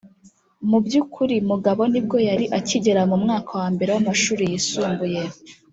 mu by’ukuri mugabo nibwo yari akigera mu mwaka wa mbere w'amashuri yisumbuye